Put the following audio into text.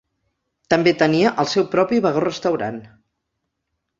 També tenia el seu propi vagó restaurant.